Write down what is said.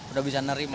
udah bisa nerima